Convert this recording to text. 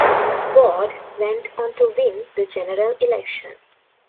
Ward went on to win the general election.